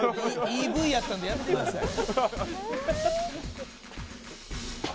「いいＶやったんでやめてください」